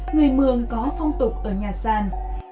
người mường có phong tục ở nhà sàn